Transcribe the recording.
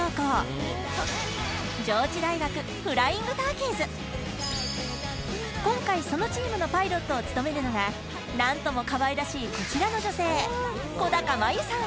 過去今回そのチームのパイロットを務めるのがなんとも可愛らしいこちらの女性